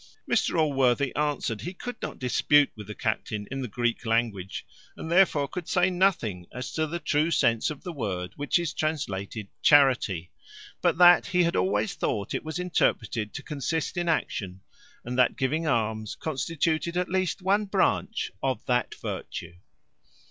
Mr Allworthy answered, "He could not dispute with the captain in the Greek language, and therefore could say nothing as to the true sense of the word which is translated charity; but that he had always thought it was interpreted to consist in action, and that giving alms constituted at least one branch of that virtue.